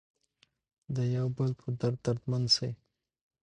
د یو بل په درد دردمن شئ.